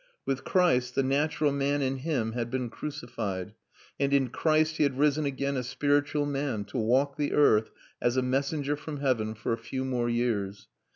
With Christ the natural man in him had been crucified, and in Christ he had risen again a spiritual man, to walk the earth, as a messenger from heaven, for a few more years.